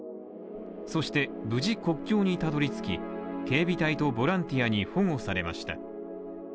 そして、無事国境にたどり着き警備隊とボランティアに保護されました。